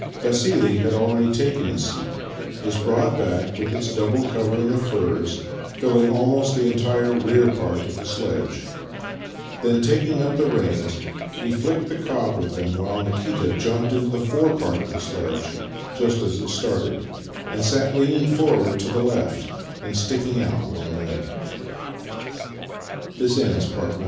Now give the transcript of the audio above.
Vassili had already taken his seat, his broad back, with its double covering of furs, filling almost the entire rear part of the sledge. Then, taking up the reins, he fhcked the cob with them, while Nikita jumped into the forepart of the sledge just as it started, and sat leaning forward to the